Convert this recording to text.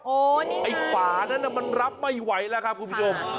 โอ้นี่ไงไอ้ฝาั้นั้นมันรับไม่ไหวแล้วค่ะคุณผู้ชม